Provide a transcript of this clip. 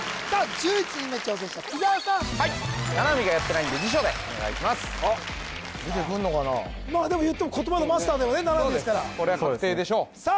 １１人目挑戦者伊沢さんはい七海がやってないんで辞書でお願いしますあ出てくんのかなでもいっても言葉のマスターだよね七海ですからこれは確定でしょうそうですねさあ